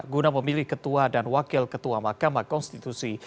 guna memilih ketua dan wakil ketua mahkamah konstitusi